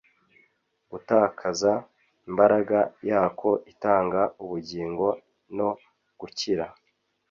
gutakaza imbaraga yako itanga ubugingo no gukira.